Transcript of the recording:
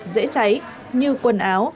dễ cháy như quần áo